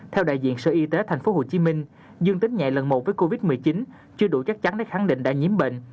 theo đại diện sở y tế tp hcm dương tính nhẹ lần một với covid một mươi chín chưa đủ chắc chắn để khẳng định đã nhiễm bệnh